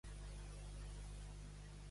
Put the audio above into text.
Acabar a Son Quint.